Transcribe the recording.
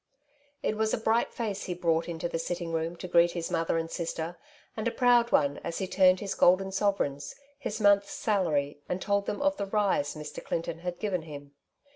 It was a bright face he brought into the sitting room to greet his mother and sister, and a proud one, as he turned his golden sovereigns, his month^s salary, and told them of the ''rise^' Mr. Clinton had given him.